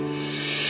terima kasih ibu